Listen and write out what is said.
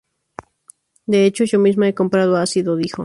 De hecho, yo misma he comprado ácido", dijo.